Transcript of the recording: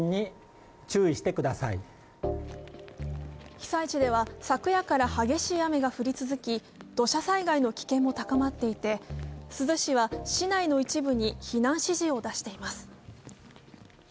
被災地では昨夜から激しい雨が降り続き、土砂災害の危険も高まっていて珠洲市は市内の一部に避難指示を出しています。